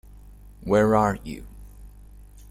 Where are you?